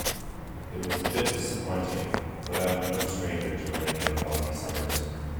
It was a bit disappointing, but I am no stranger to rainy or foggy summers.